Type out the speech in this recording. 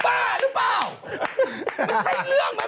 เปล่าเปล่าเปล่าเปล่าเปล่าเปล่า